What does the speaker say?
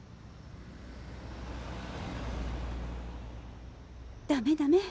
心の声ダメダメ。